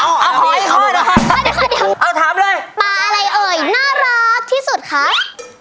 ขออีกข้อนะคะเอาถามเลยปลาอะไรเอ่อน่ารักที่สุดครับ